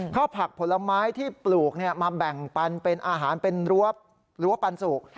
ข้าวผักผลไม้ที่ปลูกมาแบ่งปันเป็นอาหารเป็นรั้วปันสุก